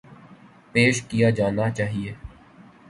ﭘﯿﺶ ﮐﯿﺎ ﺟﺎﻧﺎ ﭼﺎﮬﯿﮯ